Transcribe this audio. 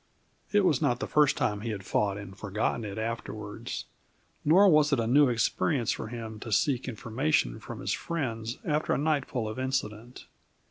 It was not the first time he had fought and forgotten it afterwards. Nor was it a new experience for him to seek information from his friends after a night full of incident.